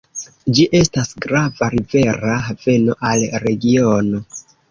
Ĝi estas grava rivera haveno al regiono.